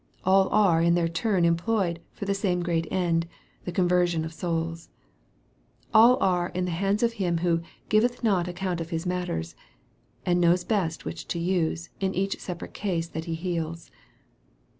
All are in their turn employed for the same great end, the conversion of souls. All are in the hands of Him who " giveth not account of His matters/* and knows best which to use, in each separate case that He heals.